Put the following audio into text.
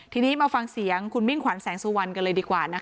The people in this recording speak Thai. ทีนี้มาฟังเสียงคุณมิ่งขวัญแสงสุวรรณกันเลยดีกว่านะคะ